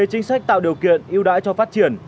chính sách tạo điều kiện ưu đãi cho phát triển